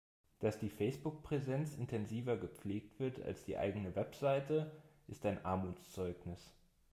Dass die Facebook-Präsenz intensiver gepflegt wird als die eigene Website, ist ein Armutszeugnis.